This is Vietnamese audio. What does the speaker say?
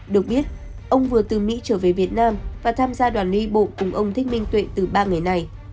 được biết ông vừa từ mỹ trở về việt nam và tham gia đoàn đi bộ cùng ông thích minh tuệ từ ba người này